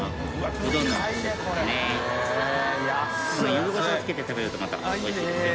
ゆずこしょうつけて食べるとまたおいしいですよ。